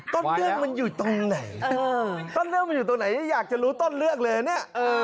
ต้นเรื่องมันอยู่ตรงไหนต้นเรื่องมันอยู่ตรงไหนอยากจะรู้ต้นเรื่องเลยนะเนี่ย